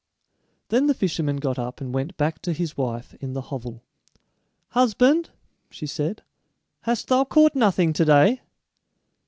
Then the fisherman got up and went back to his wife in the hovel. "Husband," she said, "hast thou caught nothing to day?"